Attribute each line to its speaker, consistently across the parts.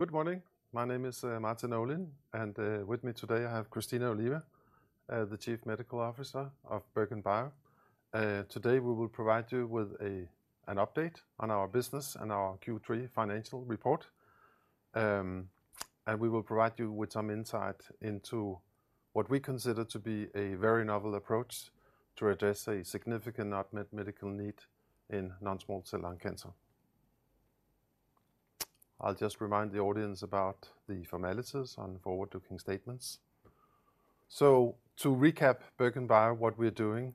Speaker 1: Good morning. My name is Martin Olin, and with me today I have Cristina Oliva, the Chief Medical Officer of BerGenBio. Today, we will provide you with an update on our business and our Q3 financial report. And we will provide you with some insight into what we consider to be a very novel approach to address a significant unmet medical need in non-small cell lung cancer. I'll just remind the audience about the formalities on forward-looking statements. So, to recap, BerGenBio, what we're doing,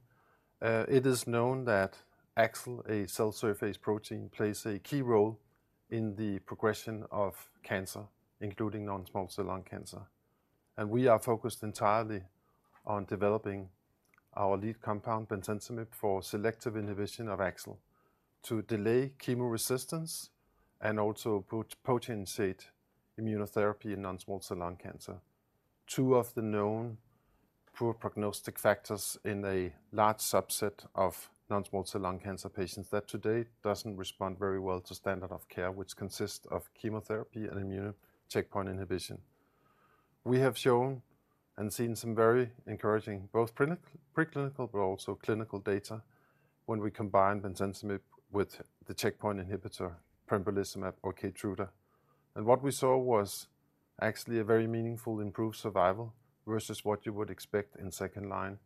Speaker 1: it is known that AXL, a cell surface protein, plays a key role in the progression of cancer, including non-small cell lung cancer. And we are focused entirely on developing our lead compound bemcentinib, for selective inhibition of AXL, to delay chemoresistance and also potentiate immunotherapy in non-small cell lung cancer. Two of the known poor prognostic factors in a large subset of non-small cell lung cancer patients that today doesn't respond very well to standard of care, which consists of chemotherapy and immune checkpoint inhibition. We have shown and seen some very encouraging, both preclinical, but also clinical data when we combine bemcentinib with the checkpoint inhibitor pembrolizumab or KEYTRUDA. And what we saw was actually a very meaningful improved survival versus what you would expect in second line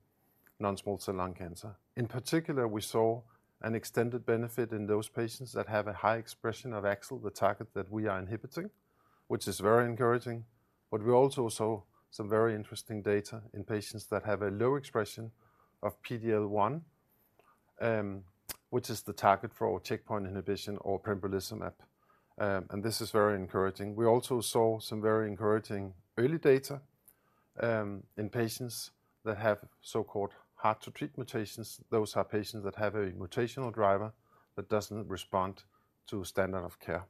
Speaker 1: non-small cell lung cancer. In particular, we saw an extended benefit in those patients that have a high expression of AXL, the target that we are inhibiting, which is very encouraging. But we also saw some very interesting data in patients that have a low expression of PD-L1, which is the target for our checkpoint inhibition or pembrolizumab. And this is very encouraging. We also saw some very encouraging early data in patients that have so-called hard-to-treat mutations. Those are patients that have a mutational driver that doesn't respond to standard of care.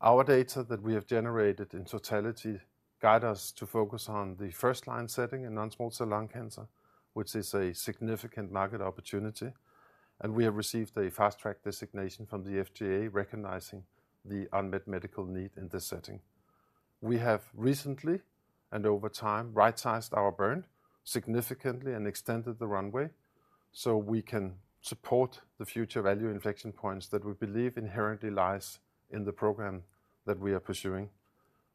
Speaker 1: Our data that we have generated in totality guide us to focus on the first line setting in non-small cell lung cancer, which is a significant market opportunity, and we have received a Fast Track designation from the FDA, recognizing the unmet medical need in this setting. We have recently and over time, right sized our burn significantly and extended the runway, so we can support the future value inflection points that we believe inherently lies in the program that we are pursuing.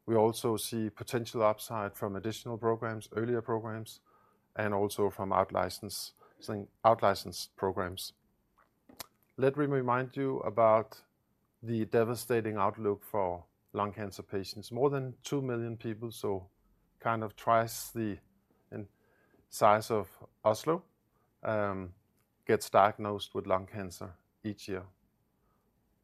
Speaker 1: We also see potential upside from additional programs, earlier programs, and also from out-license, out-license programs. Let me remind you about the devastating outlook for lung cancer patients. More than two million people, so kind of twice the size of Oslo, gets diagnosed with lung cancer each year.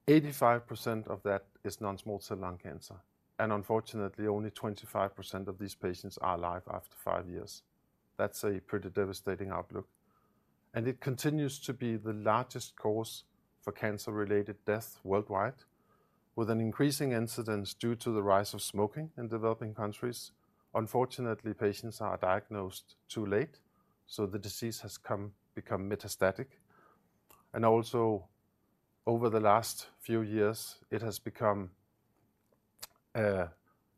Speaker 1: 85% of that is non-small cell lung cancer, and unfortunately, only 25% of these patients are alive after five years. That's a pretty devastating outlook, and it continues to be the largest cause for cancer-related death worldwide, with an increasing incidence due to the rise of smoking in developing countries. Unfortunately, patients are diagnosed too late, so the disease has become metastatic. And also, over the last few years, it has become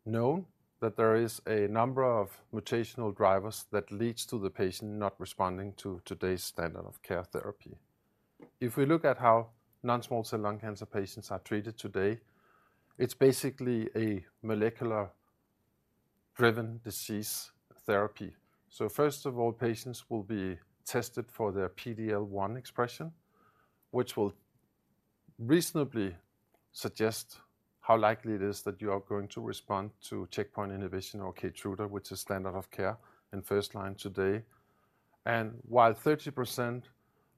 Speaker 1: known that there is a number of mutational drivers that leads to the patient not responding to today's standard of care therapy. If we look at how non-small cell lung cancer patients are treated today, it's basically a molecular-driven disease therapy. So first of all, patients will be tested for their PD-L1 expression, which will reasonably suggest how likely it is that you are going to respond to checkpoint inhibition or KEYTRUDA, which is standard of care in first line today. And while 30%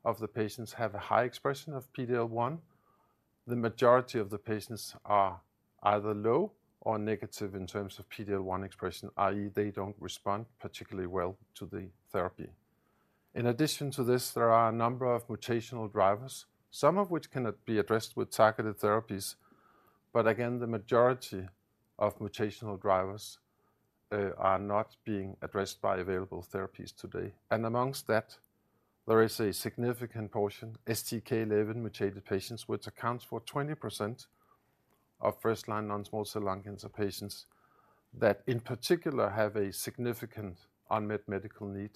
Speaker 1: of the patients have a high expression of PD-L1, the majority of the patients are either low or negative in terms of PD-L1 expression, i.e., they don't respond particularly well to the therapy. In addition to this, there are a number of mutational drivers, some of which can be addressed with targeted therapies. But again, the majority of mutational drivers are not being addressed by available therapies today. And amongst that, there is a significant portion, STK11-mutated patients, which accounts for 20% of first line non-small cell lung cancer patients that, in particular, have a significant unmet medical need.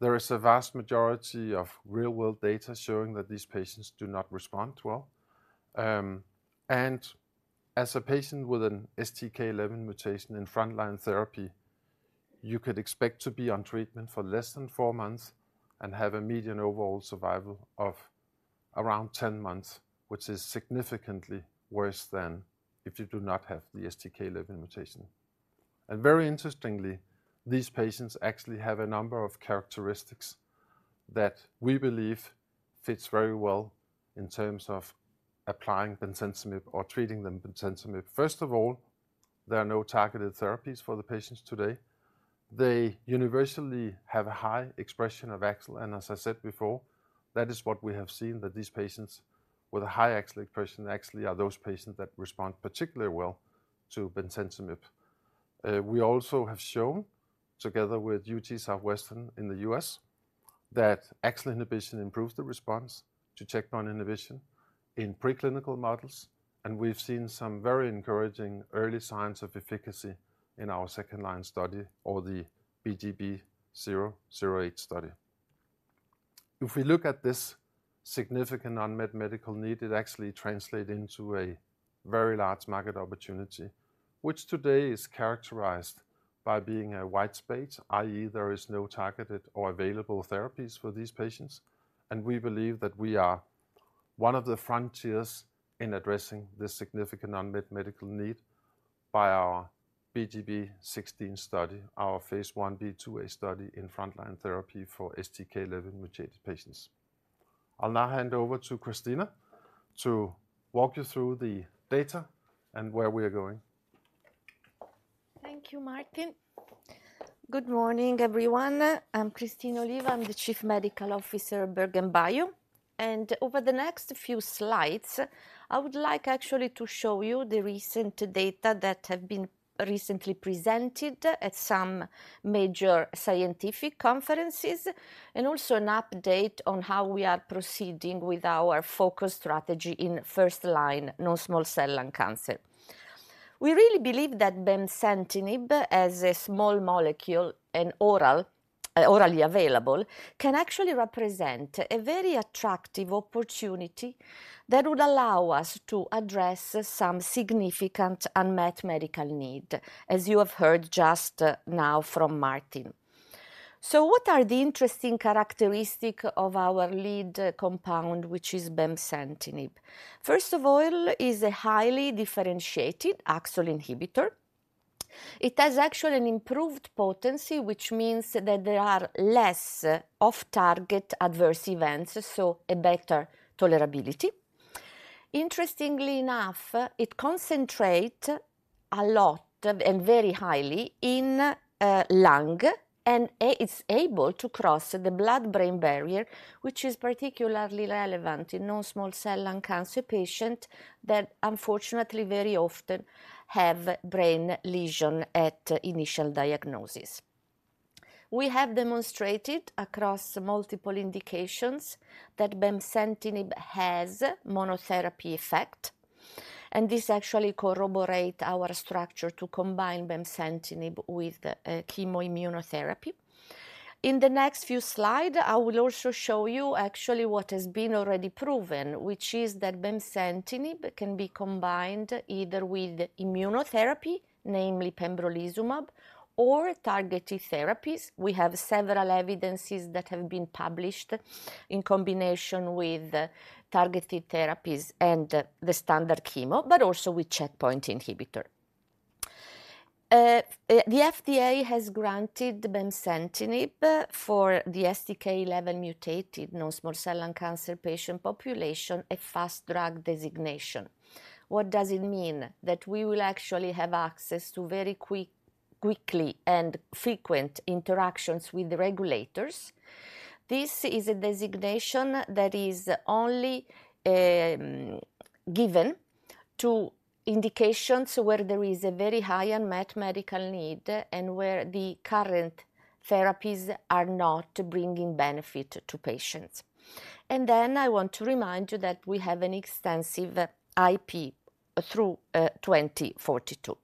Speaker 1: There is a vast majority of real-world data showing that these patients do not respond well. And as a patient with an STK11m in frontline therapy, you could expect to be on treatment for less than four months and have a median overall survival of around 10 months, which is significantly worse than if you do not have the STK11m. And very interestingly, these patients actually have a number of characteristics that we believe fits very well in terms of applying bemcentinib or treating them bemcentinib. First of all, there are no targeted therapies for the patients today. They universally have a high expression of AXL, and as I said before, that is what we have seen, that these patients with a high AXL expression actually are those patients that respond particularly well to bemcentinib. We also have shown, together with UT Southwestern in the U.S., that AXL inhibition improves the response to checkpoint inhibition in preclinical models, and we've seen some very encouraging early signs of efficacy in our second line study or the BGBC008 study. If we look at this significant unmet medical need, it actually translates into a very large market opportunity, which today is characterized by being a wide space, i.e., there is no targeted or available therapies for these patients. We believe that we are one of the frontiers in addressing this significant unmet medical need by our BGBC16 study, our Phase 1b/2a study in frontline therapy for STK11-mutated patients. I'll now hand over to Cristina to walk you through the data and where we are going.
Speaker 2: Thank you, Martin. Good morning, everyone. I'm Cristina Oliva. I'm the Chief Medical Officer at BerGenBio. Over the next few slides, I would like actually to show you the recent data that have been recently presented at some major scientific conferences, and also an update on how we are proceeding with our focus strategy in first line non-small cell lung cancer. We really believe that bemcentinib, as a small molecule and oral, orally available, can actually represent a very attractive opportunity that would allow us to address some significant unmet medical need, as you have heard just now from Martin. So what are the interesting characteristic of our lead compound, which is bemcentinib? First of all, is a highly differentiated AXL inhibitor. It has actually an improved potency, which means that there are less off-target adverse events, so a better tolerability. Interestingly enough, it concentrate a lot and very highly in lung, and it's able to cross the blood-brain barrier, which is particularly relevant in non-small cell lung cancer patient that unfortunately very often have brain lesion at initial diagnosis. We have demonstrated across multiple indications that bemcentinib has monotherapy effect, and this actually corroborate our structure to combine bemcentinib with chemoimmunotherapy. In the next few slide, I will also show you actually what has been already proven, which is that bemcentinib can be combined either with immunotherapy, namely pembrolizumab or targeted therapies. We have several evidences that have been published in combination with targeted therapies and the standard chemo, but also with checkpoint inhibitor. The FDA has granted bemcentinib for the STK11-mutated non-small cell lung cancer patient population, a Fast Track designation. What does it mean? That we will actually have access to very quickly and frequent interactions with the regulators. This is a designation that is only given to indications where there is a very high unmet medical need, and where the current therapies are not bringing benefit to patients. And then I want to remind you that we have an extensive IP through 2042.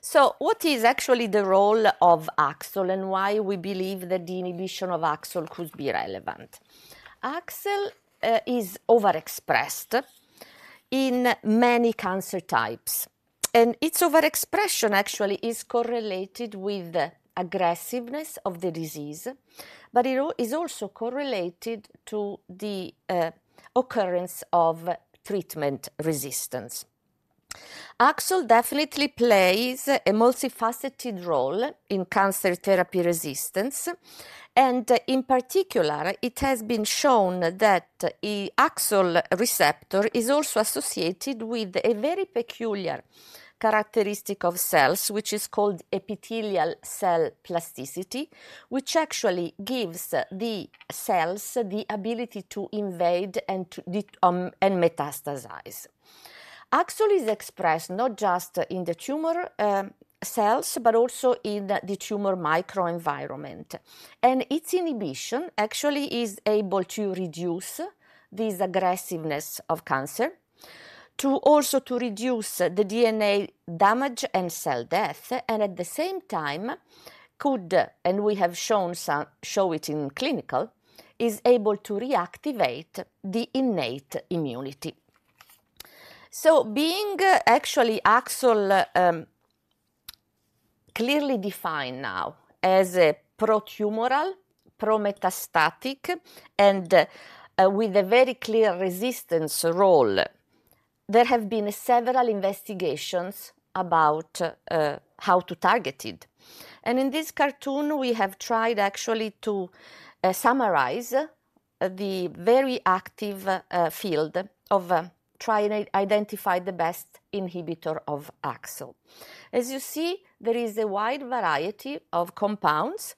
Speaker 2: So what is actually the role of AXL, and why we believe that the inhibition of AXL could be relevant? AXL is overexpressed in many cancer types, and its overexpression actually is correlated with the aggressiveness of the disease, but it is also correlated to the occurrence of treatment resistance. AXL definitely plays a multifaceted role in cancer therapy resistance, and in particular, it has been shown that an AXL receptor is also associated with a very peculiar characteristic of cells, which is called epithelial cell plasticity, which actually gives the cells the ability to invade and metastasize. AXL is expressed not just in the tumor cells, but also in the tumor microenvironment. And its inhibition actually is able to reduce this aggressiveness of cancer, to also reduce the DNA damage and cell death, and at the same time, and we have shown it in clinical, is able to reactivate the innate immunity. So being actually AXL clearly defined now as a pro-tumoral, pro-metastatic, and with a very clear resistance role, there have been several investigations about how to target it. In this cartoon, we have tried actually to summarize the very active field of try and identify the best inhibitor of AXL. As you see, there is a wide variety of compounds.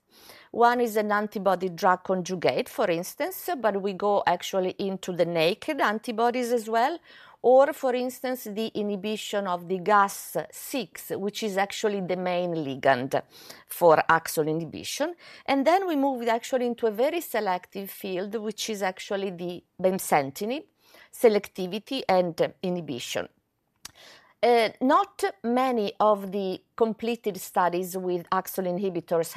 Speaker 2: One is an antibody drug conjugate, for instance, but we go actually into the naked antibodies as well, or for instance, the inhibition of the Gas6, which is actually the main ligand for AXL inhibition. And then we move actually into a very selective field, which is actually the bemcentinib selectivity and inhibition. Not many of the completed studies with AXL inhibitors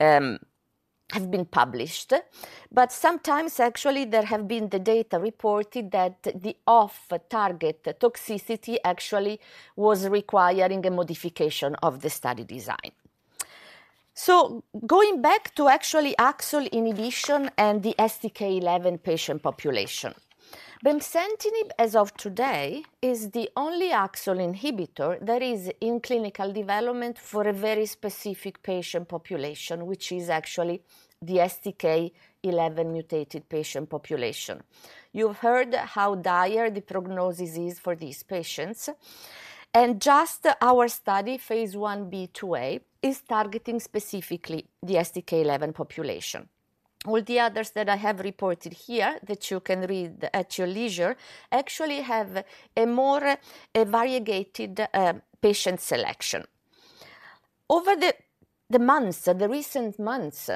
Speaker 2: have been published. But sometimes actually there have been the data reported that the off target, the toxicity actually was requiring a modification of the study design. So going back to actually AXL inhibition and the STK11 patient population. Bemcentinib, as of today, is the only AXL inhibitor that is in clinical development for a very specific patient population, which is actually the STK11 mutated patient population. You've heard how dire the prognosis is for these patients, and just our study, Phase 1b/2a, is targeting specifically the STK11 population. All the others that I have reported here that you can read at your leisure, actually have a more variegated patient selection. Over the months, the recent months,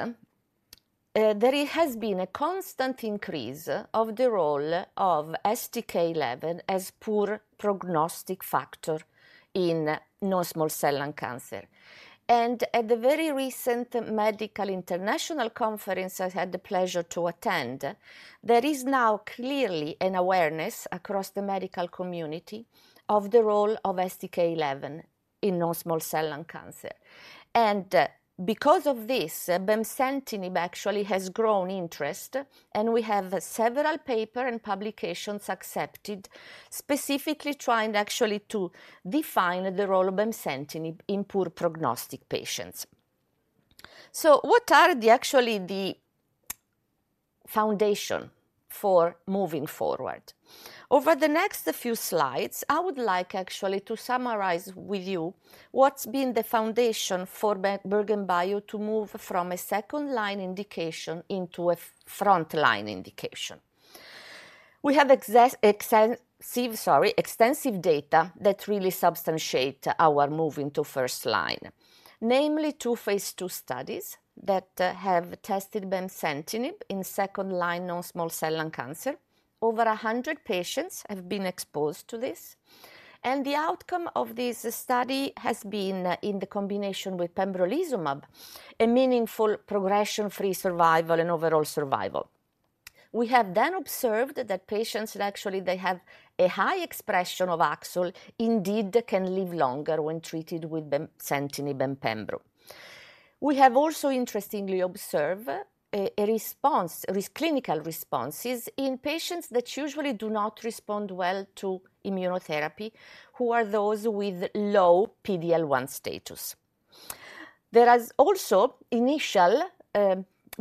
Speaker 2: there has been a constant increase of the role of STK11 as poor prognostic factor in non-small cell lung cancer. And at the very recent medical international conference I had the pleasure to attend, there is now clearly an awareness across the medical community of the role of STK11 in non-small cell lung cancer. Because of this, bemcentinib actually has grown interest, and we have several papers and publications accepted, specifically trying actually to define the role of bemcentinib in poor prognostic patients. What is actually the foundation for moving forward? Over the next few slides, I would like actually to summarize with you what's been the foundation for BerGenBio to move from a second line indication into a frontline indication. We have extensive data that really substantiate our move into first line. Namely, two Phase 2 studies that have tested bemcentinib in second line non-small cell lung cancer. Over 100 patients have been exposed to this, and the outcome of this study has been, in the combination with pembrolizumab, a meaningful progression-free survival and overall survival. We have then observed that patients, actually, they have a high expression of AXL, indeed can live longer when treated with bemcentinib and pembro. We have also interestingly observed a clinical response in patients that usually do not respond well to immunotherapy, who are those with low PD-L1 status. There is also initial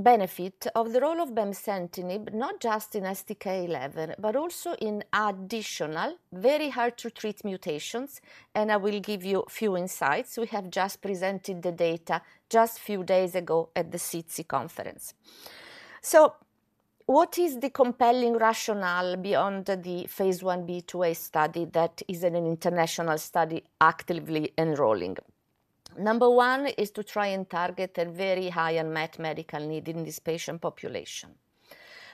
Speaker 2: benefit of the role of bemcentinib, not just in STK11, but also in additional very hard-to-treat mutations, and I will give you a few insights. We have just presented the data just few days ago at the SITC Conference. What is the compelling rationale beyond the Phase 1b/2a study that is an international study actively enrolling? Number one is to try and target a very high unmet medical need in this patient population.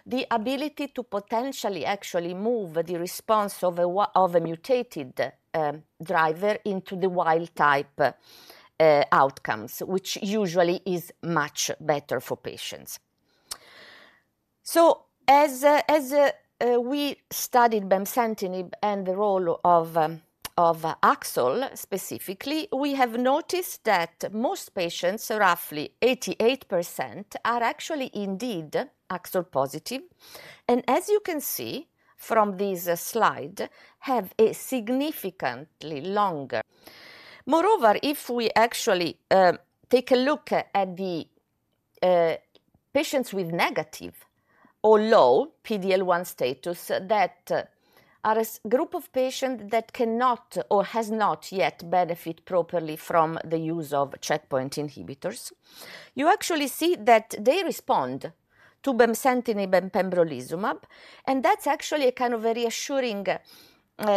Speaker 2: The ability to potentially actually move the response of a mutated driver into the wild type outcomes, which usually is much better for patients. So as we studied bemcentinib and the role of AXL specifically, we have noticed that most patients, roughly 88%, are actually indeed AXL positive, and as you can see from this slide, have a significantly longer. Moreover, if we actually take a look at the patients with negative or low PD-L1 status that are a group of patient that cannot or has not yet benefit properly from the use of checkpoint inhibitors, you actually see that they respond to bemcentinib and pembrolizumab, and that's actually a kind of a reassuring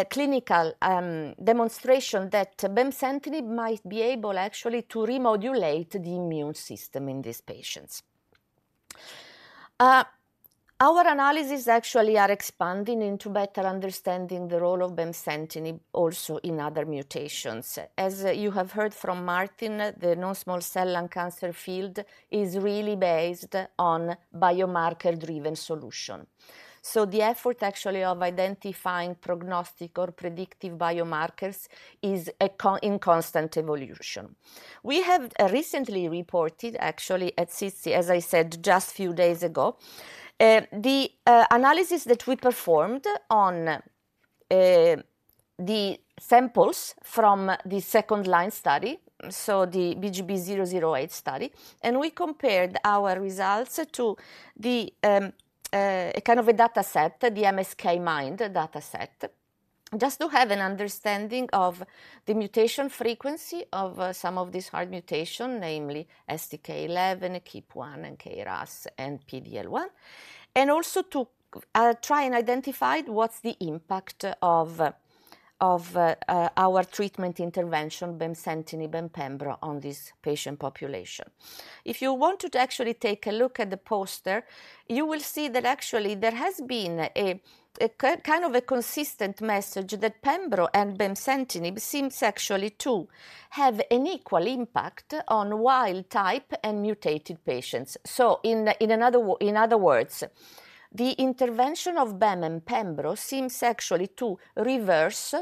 Speaker 2: clinical demonstration that bemcentinib might be able actually to remodulate the immune system in these patients. Our analysis actually are expanding into better understanding the role of bemcentinib also in other mutations. As you have heard from Martin, the non-small cell lung cancer field is really based on biomarker-driven solution. So the effort actually of identifying prognostic or predictive biomarkers is a constant evolution. We have recently reported, actually at SITC, as I said, just few days ago, the analysis that we performed on the samples from the second line study, so the BGBC008 study, and we compared our results to the kind of a data set, the MSK-IMPACT data set, just to have an understanding of the mutation frequency of some of these hard mutation, namely STK11, KEAP1, and KRAS, and PD-L1. Also to try and identify what's the impact of our treatment intervention, bemcentinib and pembro, on this patient population. If you wanted to actually take a look at the poster, you will see that actually there has been a kind of a consistent message that pembro and bemcentinib seems actually to have an equal impact on wild type and mutated patients. So in other words, the intervention of bem and pembro seems actually to reverse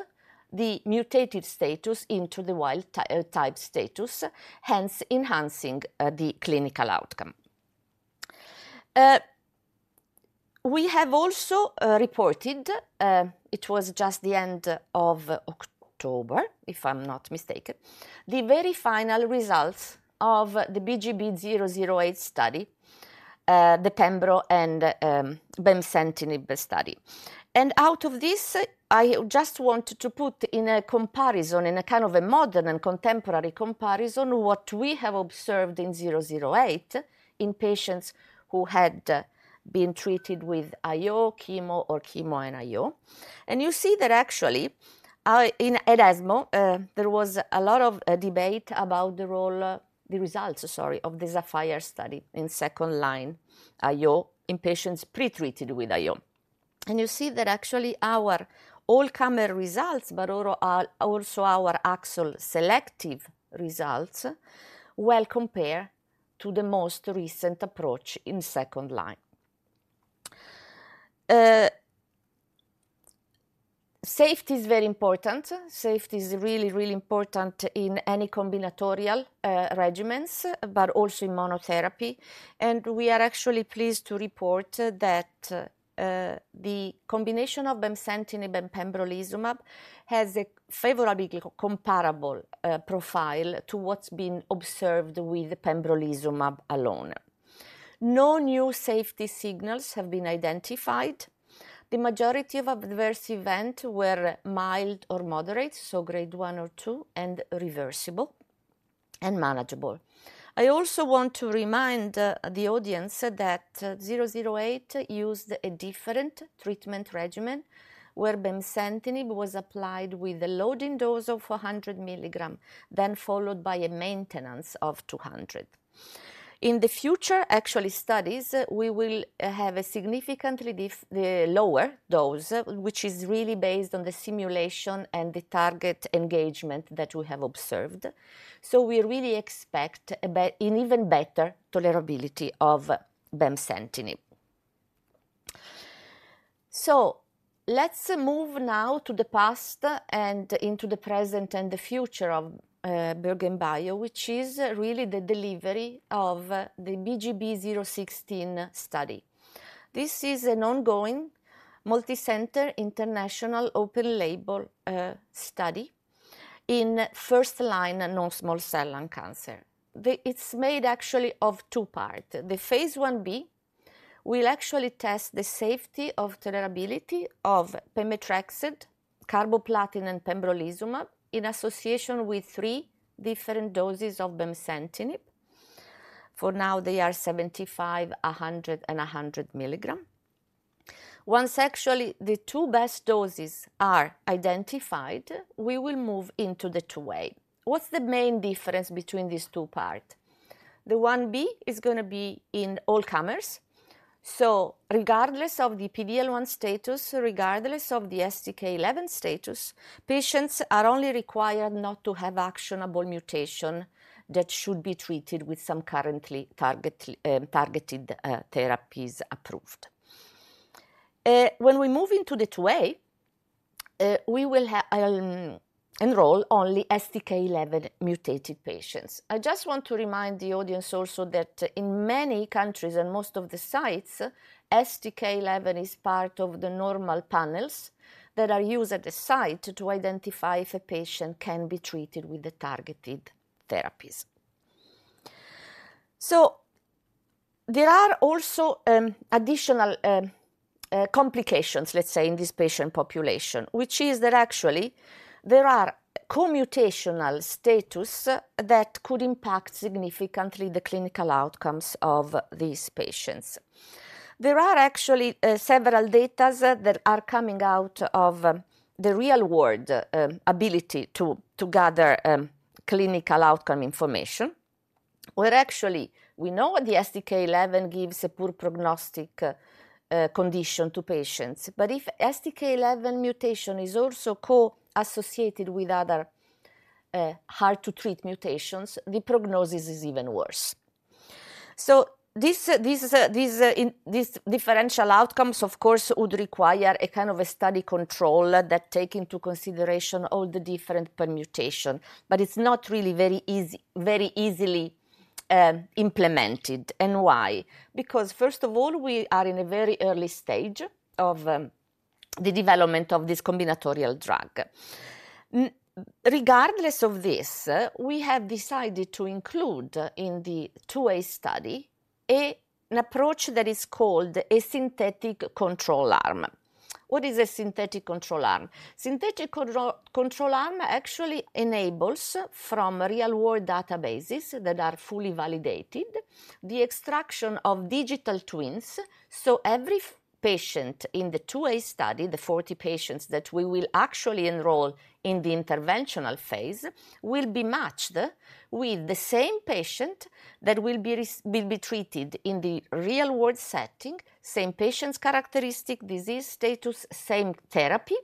Speaker 2: the mutated status into the wild type status, hence enhancing the clinical outcome. We have also reported, it was just the end of October, if I'm not mistaken, the very final results of the BGBC008 study, the pembro and bemcentinib study. Out of this, I just wanted to put in a comparison, in a kind of a modern and contemporary comparison, what we have observed in 008 in patients who had been treated with I-O chemo, or chemo and I-O. You see that actually in ESMO there was a lot of debate about the results, sorry, of the SAPPHIRE study in second line I-O in patients pre-treated with I-O. You see that actually our all-comer results, but also our actual selective results, well compared to the most recent approach in second line. Safety is very important. Safety is really, really important in any combinatorial regimens, but also in monotherapy. And we are actually pleased to report that, the combination of bemcentinib and pembrolizumab has a favorably comparable, profile to what's been observed with pembrolizumab alone. No new safety signals have been identified. The majority of adverse events were mild or moderate, so grade one or two, and reversible and manageable. I also want to remind the audience that zero zero eight used a different treatment regimen, where bemcentinib was applied with a loading dose of 100 mg, then followed by a maintenance of 200. In the future, actually, studies, we will have a significantly lower dose, which is really based on the simulation and the target engagement that we have observed. So we really expect an even better tolerability of bemcentinib. So let's move now to the past and into the present and the future of BerGenBio, which is really the delivery of the BGBC016 study. This is an ongoing, multicenter, international, open-label study in first line non-small cell lung cancer. It's made actually of two parts. The Phase 1b will actually test the safety and tolerability of pemetrexed, carboplatin, and pembrolizumab in association with three different doses of bemcentinib. For now, they are 75 mg, 100 mg, and 100 mg. Once actually the two best doses are identified, we will move into the Phase IIa. What's the main difference between these two parts? The 1b is gonna be in all comers, so regardless of the PD-L1 status, regardless of the STK11 status, patients are only required not to have actionable mutation that should be treated with some currently targeted therapies approved. When we move into the 2a, we will enroll only STK11 mutated patients. I just want to remind the audience also that in many countries and most of the sites, STK11 is part of the normal panels that are used at the site to identify if a patient can be treated with the targeted therapies. So there are also additional complications, let's say, in this patient population, which is that actually there are co-mutational status that could impact significantly the clinical outcomes of these patients. There are actually several data that are coming out of the real-world ability to gather clinical outcome information, where actually we know the STK11 gives a poor prognostic condition to patients. But if STK11m is also co-associated with other hard-to-treat mutations, the prognosis is even worse. So this these differential outcomes, of course, would require a kind of a study control that take into consideration all the different permutation, but it's not really very easily implemented. And why? Because first of all, we are in a very early stage of the development of this combinatorial drug. Regardless of this, we have decided to include in the 2a study an approach that is called a synthetic control arm. What is a synthetic control arm? Synthetic control arm actually enables from real-world databases that are fully validated, the extraction of digital twins. So, every patient in the 2a study, the 40 patients that we will actually enroll in the interventional phase, will be matched with the same patient that will be treated in the real-world setting, same patient's characteristic, disease status, same therapy,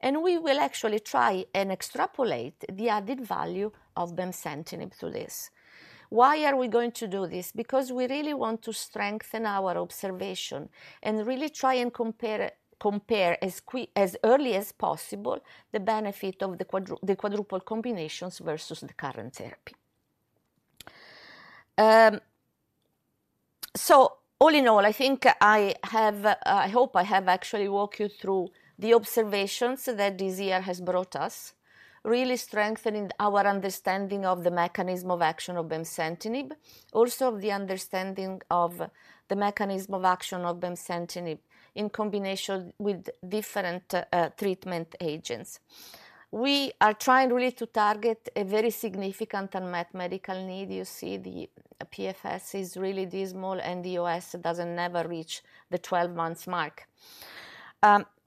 Speaker 2: and we will actually try and extrapolate the added value of bemcentinib through this. Why are we going to do this? Because we really want to strengthen our observation and really try and compare as quickly as possible, the benefit of the quadruple combinations versus the current therapy. So all in all, I think I have, I hope I have actually walked you through the observations that this year has brought us, really strengthening our understanding of the mechanism of action of bemcentinib, also of the understanding of the mechanism of action of bemcentinib in combination with different treatment agents. We are trying really to target a very significant unmet medical need. You see, the PFS is really dismal, and the OS doesn't never reach the 12 months mark.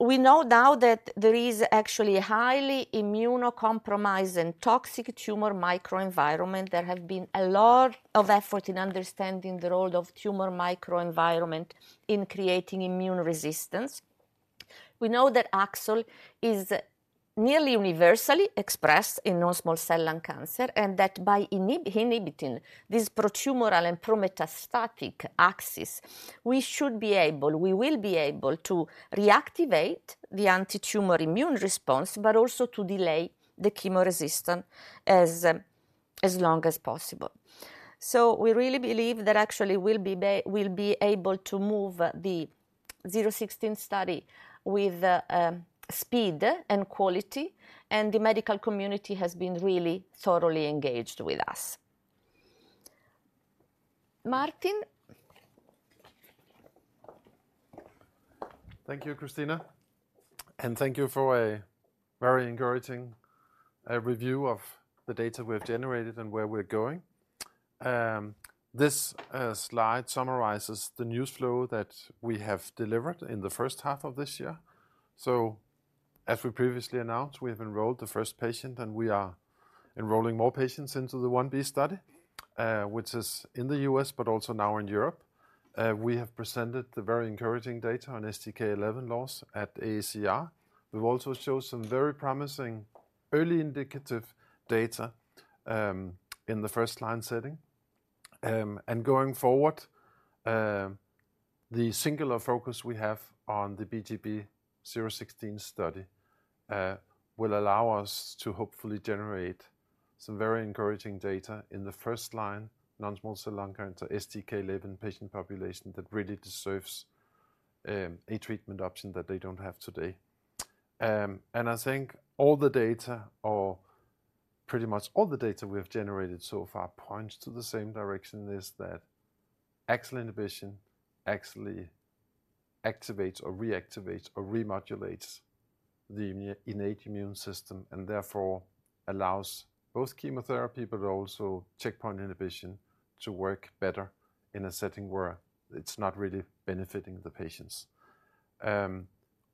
Speaker 2: We know now that there is actually a highly immunocompromised and toxic tumor microenvironment. There have been a lot of effort in understanding the role of tumor microenvironment in creating immune resistance. We know that AXL is nearly universally expressed in non-small cell lung cancer, and that by inhibiting this pro-tumoral and pro-metastatic axis, we should be able, we will be able to reactivate the anti-tumor immune response, but also to delay chemoresistance as long as possible. So we really believe that actually we'll be able to move the 016 study with speed and quality, and the medical community has been really thoroughly engaged with us. Martin?
Speaker 1: Thank you, Cristina, and thank you for a very encouraging review of the data we have generated and where we're going. This slide summarizes the news flow that we have delivered in the first half of this year. As we previously announced, we have enrolled the first patient, and we are enrolling more patients into the 1b study, which is in the U.S., but also now in Europe. We have presented the very encouraging data on STK11 loss at AACR. We've also shown some very promising early indicative data in the first line setting. Going forward, the singular focus we have on the BGBC016 study will allow us to hopefully generate some very encouraging data in the first line, non-small cell lung cancer STK11 patient population that really deserves a treatment option that they don't have today. I think all the data, or pretty much all the data we have generated so far, points to the same direction, is that AXL inhibition actually activates or reactivates or remodulates the innate immune system, and therefore allows both chemotherapy, but also checkpoint inhibition to work better in a setting where it's not really benefiting the patients.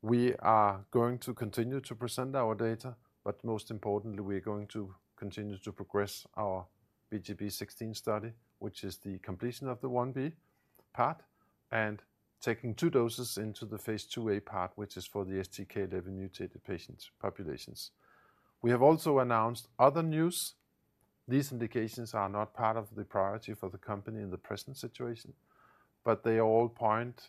Speaker 1: We are going to continue to present our data, but most importantly, we're going to continue to progress our BGBC016 study, which is the completion of the 1b part, and taking two doses into the Phase 2a part, which is for the STK11 mutated patient populations. We have also announced other news. These indications are not part of the priority for the company in the present situation, but they all point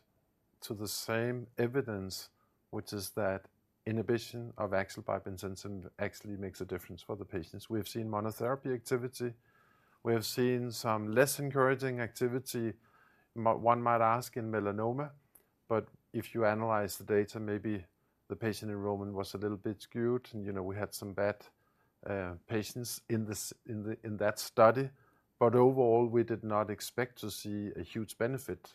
Speaker 1: to the same evidence, which is that inhibition of AXL bemcentinib actually makes a difference for the patients. We have seen monotherapy activity. We have seen some less encouraging activity, one might ask in melanoma, but if you analyze the data, maybe the patient enrollment was a little bit skewed and, you know, we had some bad patients in this, in the, in that study. Overall, we did not expect to see a huge benefit.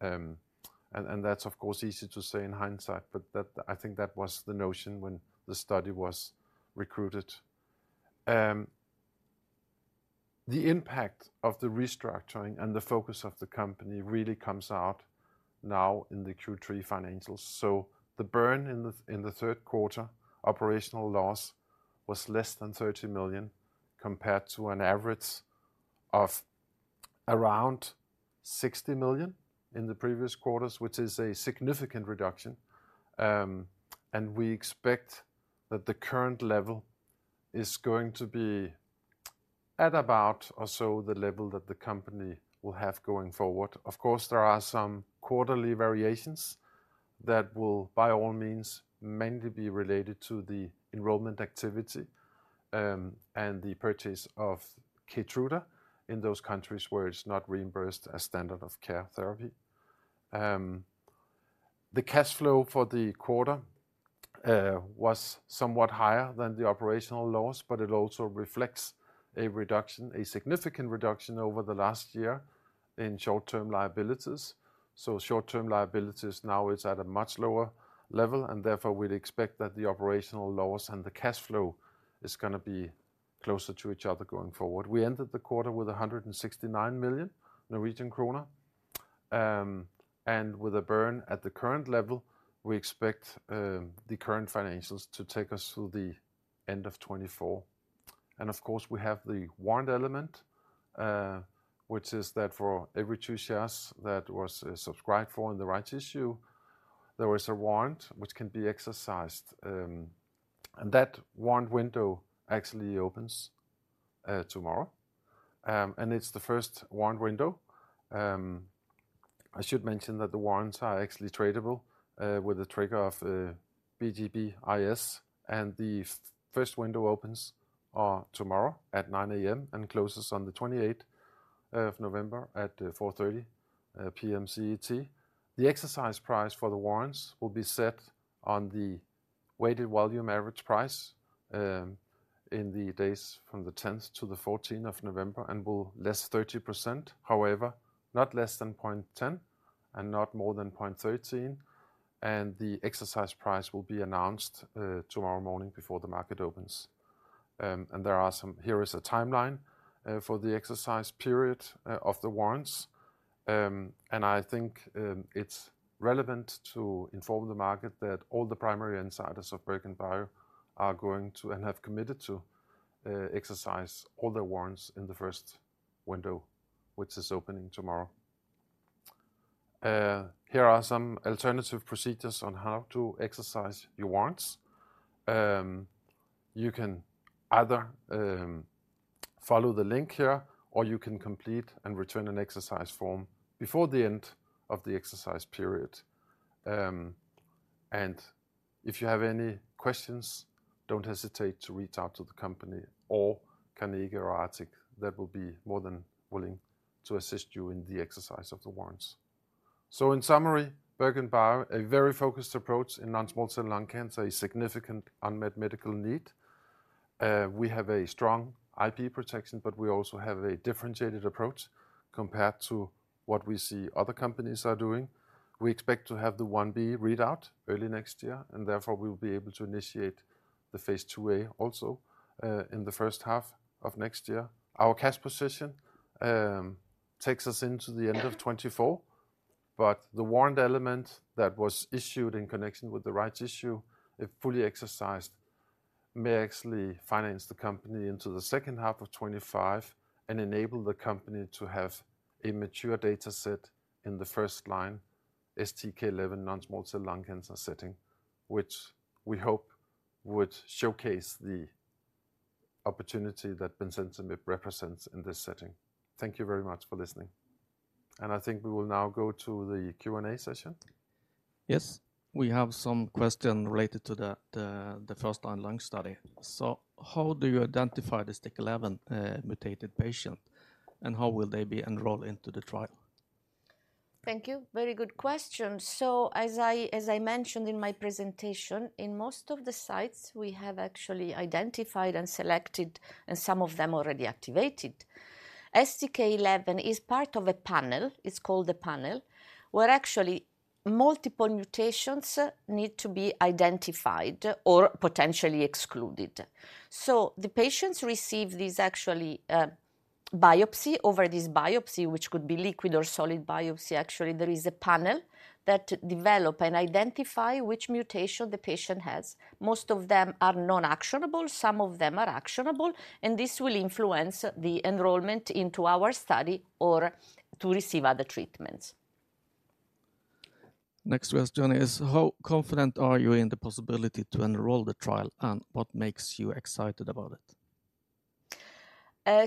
Speaker 1: That's, of course, easy to say in hindsight, but I think that was the notion when the study was recruited. The impact of the restructuring and the focus of the company really comes out now in the Q3 financials. The burn in the third quarter operational loss was less than 30 million, compared to an average of around 60 million in the previous quarters, which is a significant reduction. We expect that the current level is going to be at about or so the level that the company will have going forward. Of course, there are some quarterly variations that will, by all means, mainly be related to the enrollment activity, and the purchase of KEYTRUDA in those countries where it's not reimbursed as standard of care therapy. The cash flow for the quarter was somewhat higher than the operational loss, but it also reflects a reduction, a significant reduction over the last year in short-term liabilities. So short-term liabilities now is at a much lower level, and therefore, we'd expect that the operational loss and the cash flow is gonna be closer to each other going forward. We ended the quarter with 169 million Norwegian kroner. With a burn at the current level, we expect the current financials to take us through the end of 2024. Of course, we have the warrant element, which is that for every two shares that was subscribed for in the rights issue, there was a warrant which can be exercised. That warrant window actually opens tomorrow. It's the first warrant window. I should mention that the warrants are actually tradable, with a ticker of BGBIS, and the first window opens tomorrow at 9:00 A.M. and closes on the November 28th at 4:30 P.M. CET. The exercise price for the warrants will be set on the weighted volume average price in the days from the 10th to the 14th of November and will less 30%. However, not less than 0.10 and not more than 0.13, and the exercise price will be announced tomorrow morning before the market opens. Here is a timeline for the exercise period of the warrants. I think it's relevant to inform the market that all the primary insiders of BerGenBio are going to, and have committed to, exercise all their warrants in the first window, which is opening tomorrow. Here are some alternative procedures on how to exercise your warrants. You can either follow the link here, or you can complete and return an exercise form before the end of the exercise period. And if you have any questions, don't hesitate to reach out to the company or Carnegie or Arctic. They will be more than willing to assist you in the exercise of the warrants. So in summary, BerGenBio, a very focused approach in non-small cell lung cancer, a significant unmet medical need. We have a strong IP protection, but we also have a differentiated approach compared to what we see other companies are doing. We expect to have the 2b readout early next year, and therefore we will be able to initiate the Phase 2a also in the first half of next year. Our cash position takes us into the end of 2024, but the warrant element that was issued in connection with the rights issue, if fully exercised, may actually finance the company into the second half of 2025 and enable the company to have a mature data set in the first line STK11 non-small cell lung cancer setting, which we hope would showcase the opportunity that bemcentinib represents in this setting. Thank you very much for listening, and I think we will now go to the Q&A session.
Speaker 3: Yes. We have some question related to the first line lung study. So how do you identify the STK11 mutated patient, and how will they be enrolled into the trial?
Speaker 2: Thank you. Very good question. So as I mentioned in my presentation, in most of the sites, we have actually identified and selected, and some of them already activated. STK11 is part of a panel, it's called a panel, where actually multiple mutations need to be identified or potentially excluded. So the patients receive these actually biopsy. Over this biopsy, which could be liquid or solid biopsy, actually, there is a panel that develop and identify which mutation the patient has. Most of them are non-actionable, some of them are actionable, and this will influence the enrollment into our study or to receive other treatments.
Speaker 3: Next question is, how confident are you in the possibility to enroll the trial, and what makes you excited about it?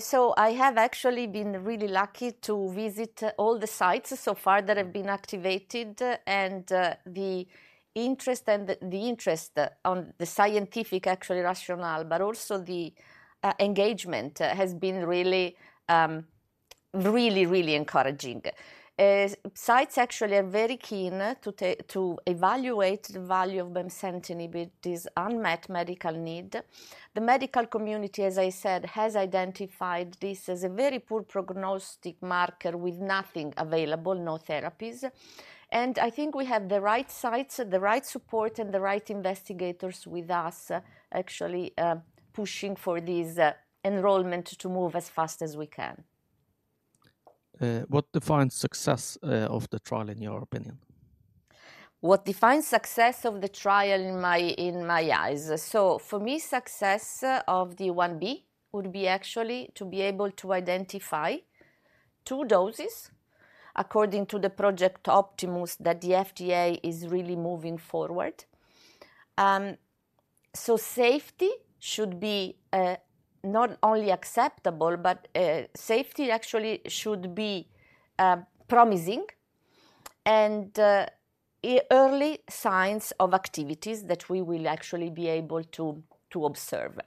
Speaker 2: So I have actually been really lucky to visit all the sites so far that have been activated, and the interest and the interest on the scientific, actually, rationale, but also the engagement has been really, really, really encouraging. Sites actually are very keen to evaluate the value of bemcentinib, this unmet medical need. The medical community, as I said, has identified this as a very poor prognostic marker with nothing available, no therapies. I think we have the right sites, the right support, and the right investigators with us, actually, pushing for this enrollment to move as fast as we can.
Speaker 3: What defines success, of the trial, in your opinion?
Speaker 2: What defines success of the trial in my, in my eyes? So for me, success of the 2b would be actually to be able to identify two doses according to the Project Optimus, that the FDA is really moving forward. So safety should be not only acceptable, but safety actually should be promising, and early signs of activities that we will actually be able to observe.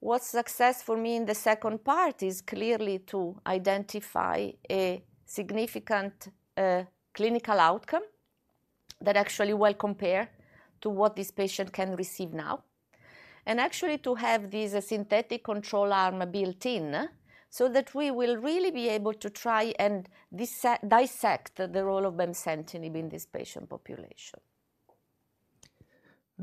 Speaker 2: What's success for me in the second part is clearly to identify a significant clinical outcome that actually will compare to what this patient can receive now. And actually to have this synthetic control arm built in, so that we will really be able to try and dissect the role of bemcentinib in this patient population.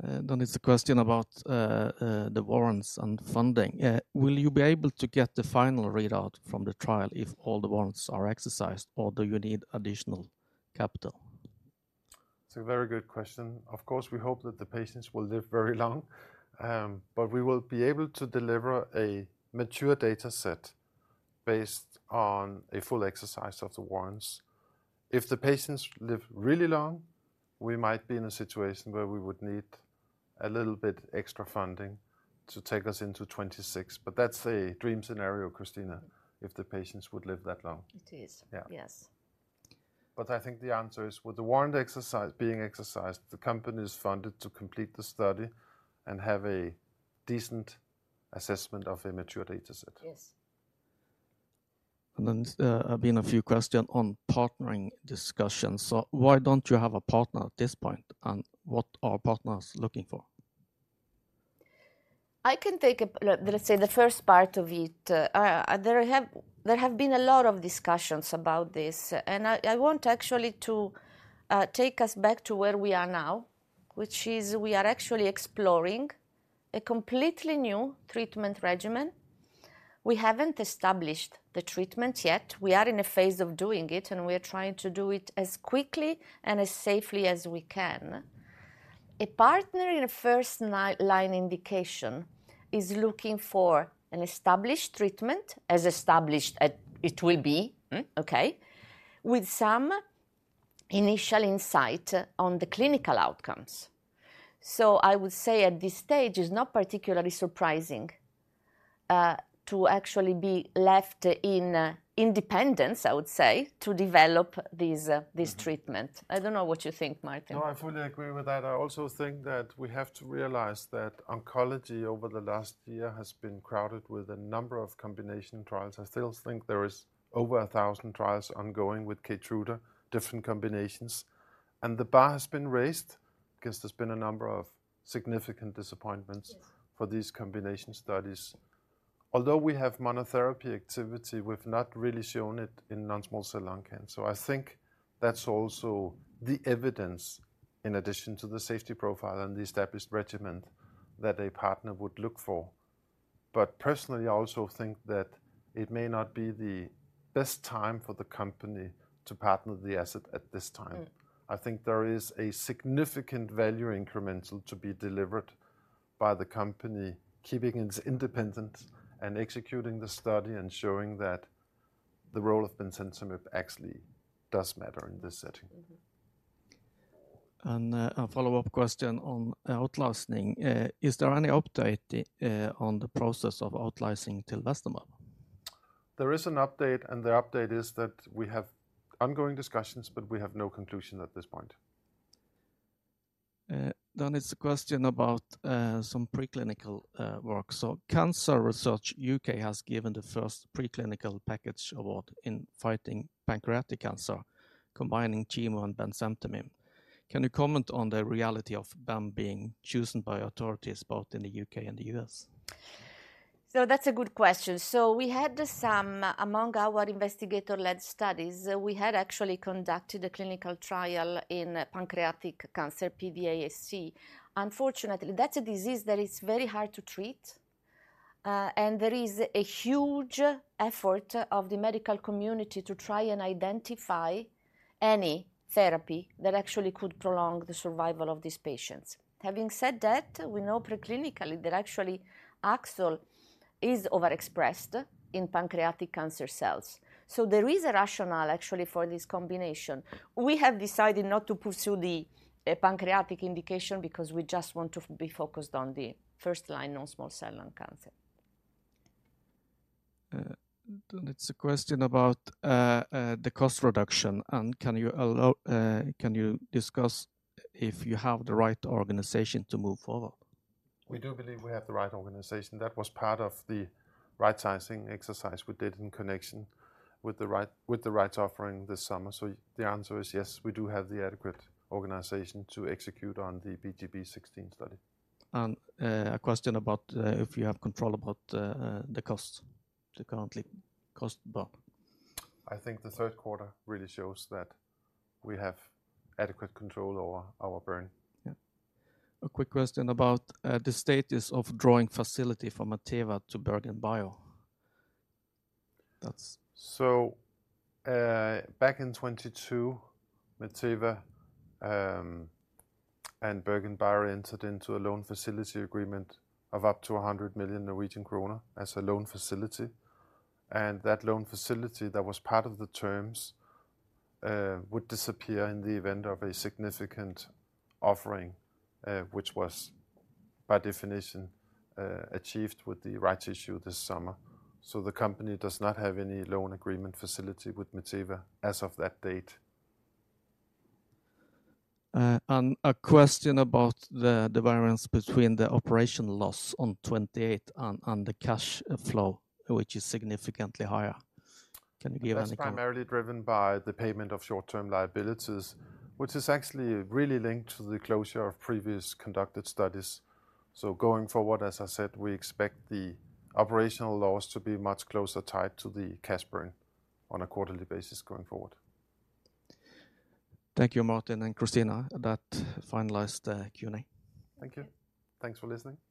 Speaker 3: Then it's a question about the warrants and funding. Will you be able to get the final readout from the trial if all the warrants are exercised, or do you need additional capital?
Speaker 1: It's a very good question. Of course, we hope that the patients will live very long, but we will be able to deliver a mature data set based on a full exercise of the warrants. If the patients live really long, we might be in a situation where we would need a little bit extra funding to take us into 2026, but that's a dream scenario, Cristina, if the patients would live that long.
Speaker 2: It is.
Speaker 1: Yeah.
Speaker 2: Yes.
Speaker 1: I think the answer is, with the warrant exercise being exercised, the company is funded to complete the study and have a decent assessment of a mature data set.
Speaker 2: Yes.
Speaker 3: Then, there have been a few questions on partnering discussions. Why don't you have a partner at this point, and what are partners looking for?
Speaker 2: I can take. Let's say the first part of it. There have been a lot of discussions about this, and I want actually to take us back to where we are now, which is we are actually exploring a completely new treatment regimen. We haven't established the treatment yet. We are in a phase of doing it, and we are trying to do it as quickly and as safely as we can. A partner in a first line indication is looking for an established treatment, as established as it will be, with some initial insight on the clinical outcomes. So I would say at this stage, it's not particularly surprising to actually be left in independence, I would say, to develop these this treatment. I don't know what you think, Martin.
Speaker 1: No, I fully agree with that. I also think that we have to realize that oncology, over the last year, has been crowded with a number of combination trials. I still think there is over 1,000 trials ongoing with KEYTRUDA, different combinations, and the bar has been raised because there's been a number of significant disappointments For these combination studies. Although we have monotherapy activity, we've not really shown it in non-small cell lung cancer. So I think that's also the evidence, in addition to the safety profile and the established regimen, that a partner would look for. But personally, I also think that it may not be the best time for the company to partner the asset at this time. I think there is a significant value incremental to be delivered by the company, keeping its independence and executing the study and showing that the role of bemcentinib actually does matter in this setting.
Speaker 3: A follow-up question on out-licensing. Is there any update on the process of outlicensing tilvestamab?
Speaker 1: There is an update, and the update is that we have ongoing discussions, but we have no conclusion at this point.
Speaker 3: Then it's a question about some preclinical work. So, Cancer Research UK has given the first preclinical package award in fighting pancreatic cancer, combining chemo and bemcentinib. Can you comment on the reality of bem being chosen by authorities both in the U.K. and the U.S.?
Speaker 2: That's a good question. We had some... Among our investigator-led studies, we had actually conducted a clinical trial in pancreatic cancer, PDAC. Unfortunately, that's a disease that is very hard to treat, and there is a huge effort of the medical community to try and identify any therapy that actually could prolong the survival of these patients. Having said that, we know preclinically that actually AXL is overexpressed in pancreatic cancer cells, so there is a rationale, actually, for this combination. We have decided not to pursue the pancreatic indication because we just want to be focused on the first line non-small cell lung cancer.
Speaker 3: It's a question about the cost reduction, and can you discuss if you have the right organization to move forward?
Speaker 1: We do believe we have the right organization. That was part of the right-sizing exercise we did in connection with the rights offering this summer. So, the answer is yes, we do have the adequate organization to execute on the BGBC016 study.
Speaker 3: A question about if you have control about the cost, the currently cost bar?
Speaker 1: I think the third quarter really shows that we have adequate control over our burn.
Speaker 3: Yeah. A quick question about the status of drawing facility from Meteva to BerGenBio.
Speaker 1: So, back in 2022, Meteva, and BerGenBio entered into a loan facility agreement of up to 100 million Norwegian kroner as a loan facility, and that loan facility, that was part of the terms, would disappear in the event of a significant offering, which was by definition, achieved with the rights issue this summer. So, the company does not have any loan agreement facility with Meteva as of that date.
Speaker 3: A question about the variance between the operational loss on 28 and the cash flow, which is significantly higher.
Speaker 1: That's primarily driven by the payment of short-term liabilities, which is actually really linked to the closure of previous conducted studies. So going forward, as I said, we expect the operational loss to be much closer tied to the cash burn on a quarterly basis going forward.
Speaker 3: Thank you, Martin and Cristina. That finalized the Q&A.
Speaker 1: Thank you. Thanks for listening.
Speaker 2: Thank you.
Speaker 1: Bye.